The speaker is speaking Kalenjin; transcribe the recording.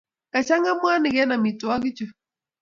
Kachang'a mwanik eng' amitwogichu.